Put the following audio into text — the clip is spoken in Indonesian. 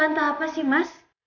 bantah apa sih mas